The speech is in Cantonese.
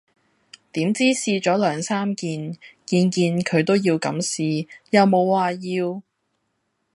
點知試左兩三件，件件佢都要咁試又無話要